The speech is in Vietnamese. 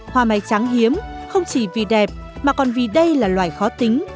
hoa máy trắng hiếm không chỉ vì đẹp mà còn vì đây là loài khó tính